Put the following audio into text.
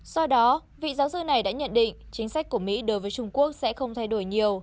do đó vị giáo sư này đã nhận định chính sách của mỹ đối với trung quốc sẽ không thay đổi nhiều